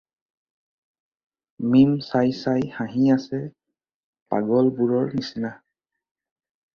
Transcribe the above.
মীম চাই চাই হাঁহি আছে পাগলবোৰৰ নিচিনা।